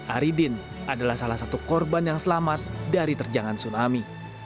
aridin adalah salah satu korban yang selamat dari terjangan tsunami